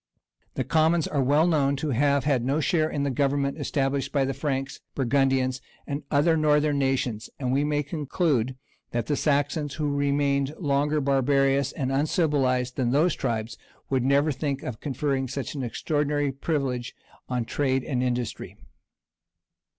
The commons are well known to have had no share in the governments established by the Franks, Burgundians, and other northern nations; and we may conclude that the Saxons, who remained longer barbarous and uncivilized than those tribes, would never think of conferring such an extraordinary privilege on trade and industry.